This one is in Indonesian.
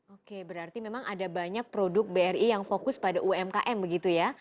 oke berarti memang ada banyak produk bri yang fokus pada umkm begitu ya